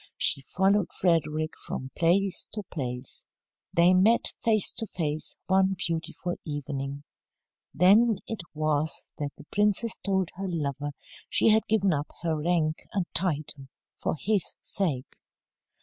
She followed Frederick from place to place. They met face to face one beautiful evening. Then it was that the princess told her lover she had given up her rank and title for his sake.